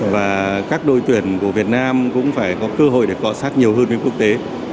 và các đội tuyển của việt nam cũng phải có cơ hội để cọ sát nhiều hơn với quốc tế